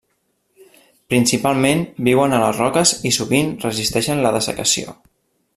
Principalment viuen a les roques i sovint resisteixen la dessecació.